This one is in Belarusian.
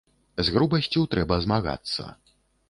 З грубасцю трэба змагацца.